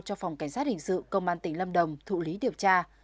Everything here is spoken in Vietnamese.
cho phòng cảnh sát hình sự công an tỉnh lâm đồng thụ lý điều tra